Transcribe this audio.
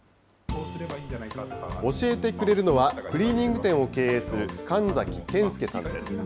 教えてくれるのは、クリーニング店を経営する神崎健輔さんです。